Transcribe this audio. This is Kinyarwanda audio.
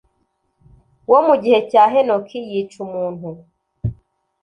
wo mu gihe cya Henoki yica umuntu